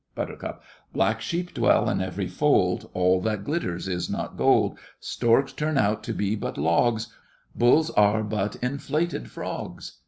BUT. Black sheep dwell in every fold; All that glitters is not gold; Storks turn out to be but logs; Bulls are but inflated frogs.